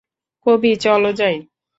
কবি, চলো যাই।